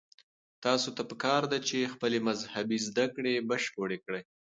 تاسو ته پکار ده چې خپلې مذهبي زده کړې بشپړې کړئ.